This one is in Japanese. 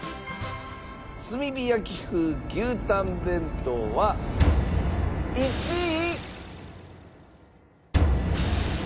炭火焼風牛たん弁当は１位。